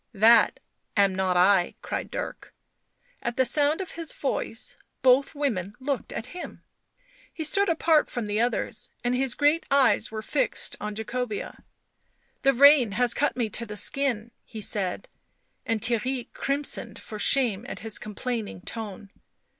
" That am not I !" cried Dirk. At the sound of his voice both women looked at him ; he stood apart from the others and his great eyes were fixed on Jacobca. " The rain has cut me to the skin," he said, and Theirry crimsoned for shame at his complaining tone.